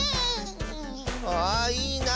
あいいな。